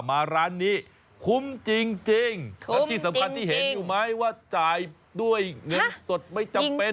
มาร้านนี้คุ้มจริงจริงคุ้มจริงจริงแล้วที่สำคัญที่เห็นดูไหมว่าจ่ายด้วยเงินสดไม่จำเป็น